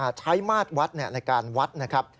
ใช้มาตรวัดในการวัดนะครับ